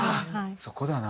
そこだな。